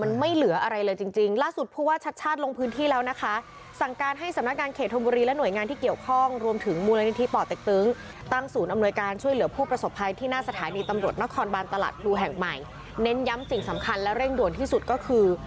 เน้นย้ำสิ่งสำคัญและเร่งด่วนที่สุดก็คือ